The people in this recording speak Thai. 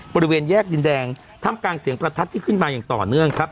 บริเวณแยกดินแดงท่ามกลางเสียงประทัดที่ขึ้นมาอย่างต่อเนื่องครับ